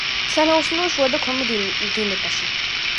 სანაოსნოა შუა და ქვემო დინებაში.